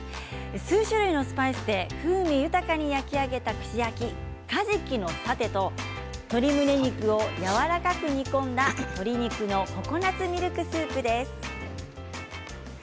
数種類のスパイスで風味豊かに焼き上げた串焼きかじきのサテと鶏むね肉をやわらかく煮込んだ鶏肉のココナツミルクスープです。